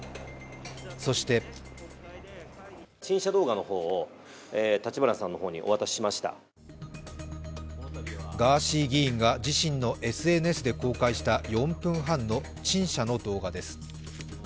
そしてガーシー議員が自身のＳＮＳで公開した４分半の陳謝の動画です。